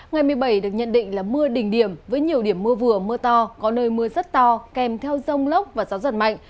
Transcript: ngày một mươi bảy được nhận định là mưa đỉnh điểm với nhiều điểm mưa vừa mưa to có nơi mưa rất to kèm theo rông lốc và gió giật mạnh